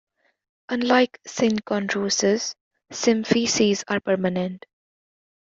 Unlike synchondroses, symphyses are permanent.